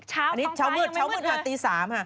ช้าวต้องไปยังไม่มืดเลยอันนี้เช้ามืดตี๓ฮะ